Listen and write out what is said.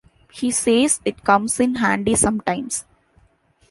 He says it comes in handy sometimes.